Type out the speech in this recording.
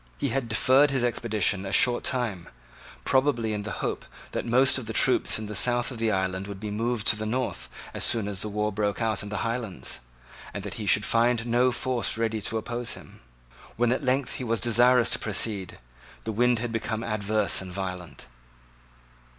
He had deferred his expedition a short time, probably in the hope that most of the troops in the south of the island would be moved to the north as soon as war broke out in the Highlands, and that he should find no force ready to oppose him. When at length he was desirous to proceed, the wind had become adverse and violent.